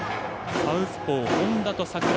サウスポー本田と櫻井。